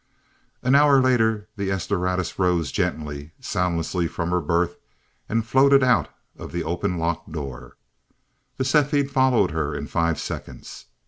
An hour later the "S Doradus" rose gently, soundlessly from her berth, and floated out of the open lock door. The "Cepheid" followed her in five seconds.